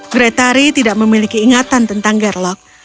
gretari tidak memiliki ingatan tentang gerlok